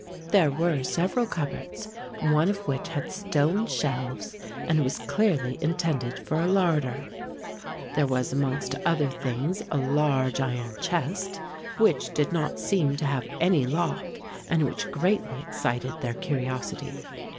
There were several cupboards, one of which had stone shelves and was clearly intended for a larder. There was amongst other things a large iron chest, which did not seem to have any lock and which greatly excited their curiosity.